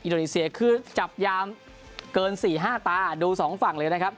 โดนีเซียคือจับยามเกิน๔๕ตาดูสองฝั่งเลยนะครับ